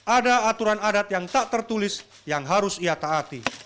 ada aturan adat yang tak tertulis yang harus ia taati